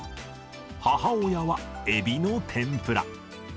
母親はエビの天ぷら。